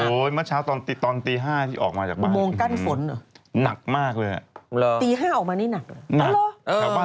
โอ้โหเฮ้ยตอนตี๕ออกมาจากบ้าน